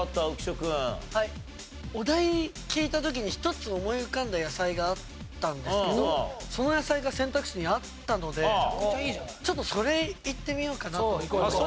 お題聞いた時に１つ思い浮かんだ野菜があったんですけどその野菜が選択肢にあったのでちょっとそれいってみようかなと思います。